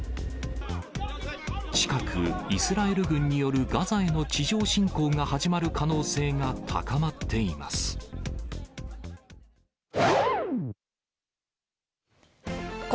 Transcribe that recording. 近く、イスラエル軍によるガザへの地上侵攻が始まる可能性が高まってい「日本製鉄中！」